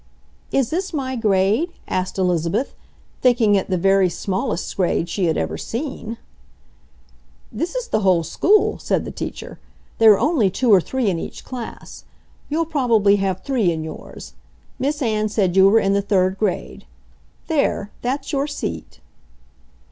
"Is this my grade?" asked Elizabeth, thinking it the very smallest grade she had ever seen. "This is the whole school," said the teacher. "There are only two or three in each class. You'll probably have three in yours. Miss Ann said you were in the third grade. There, that's your seat."